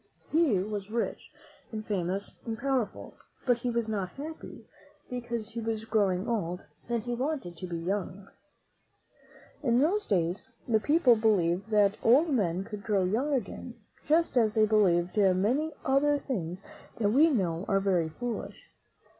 He was rich, and famous, and powerful; but he was not happy, :0; ?^^'^;:)■' THE MEN WHO FOUND AMERICA .■■■^■;^^^ 1. ^toml because he was growing old and he wanted to be young. In those days the people believed that old men could grow young again, just as they |:';;• believed many other things that we now know are very foolish.